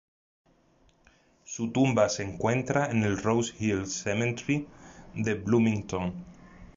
Su tumba se encuentra en el Rose Hill Cemetery de Bloomington.